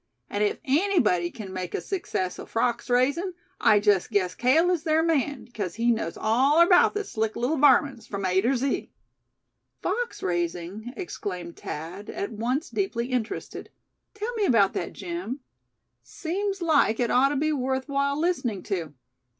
An' if anybody kin make a success o' fox raisin', I jest guess Cale is ther man, 'cause he knows all erbout the slick little varmints from A ter Z." "Fox raising?" exclaimed Thad, at once deeply interested. "Tell me about that, Jim. Seems like it ought to be worth while listening to."